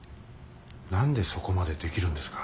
何でそこまでできるんですか？